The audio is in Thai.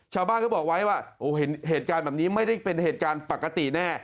ชาวบ้านก็บอกไว้ว่าเหตุการณ์แบบนี้ไม่ได้เป็นเหตุการณ์ปกติแน่